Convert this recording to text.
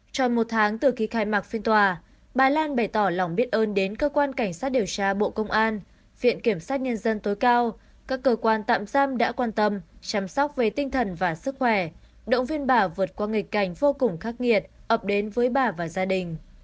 tròn một tháng từ khi khai mạc phiên tòa bà lan bày tỏ lòng biết ơn đến cơ quan cảnh sát điều tra bộ công an viện kiểm sát nhân dân tối cao các cơ quan tạm giam đã quan tâm chăm sóc về tinh thần và sức khỏe động viên bà vượt qua nghịch cảnh vô cùng khắc nghiệt ập đến với bà và gia đình